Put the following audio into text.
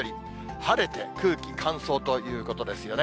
晴れて空気乾燥ということですよね。